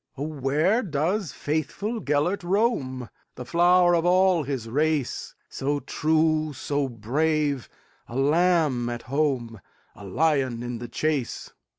"O, where doth faithful Gêlert roam, The flower of all his race, So true, so brave,—a lamb at home,A lion in the chase?"